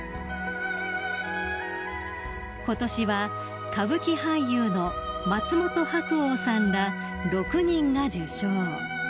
［ことしは歌舞伎俳優の松本白鸚さんら６人が受章］